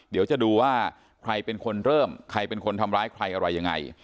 เดี๋ยวจะดูว่าใครเป็นคนเริ่มใครเป็นคนทำร้ายใครอะไรยังไง